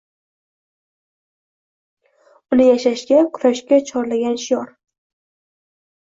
Uni yashashga, kurashishga chorlagan shior.